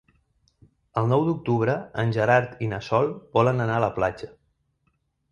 El nou d'octubre en Gerard i na Sol volen anar a la platja.